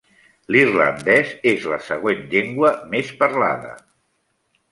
L'irlandès és la següent llengua més parlada.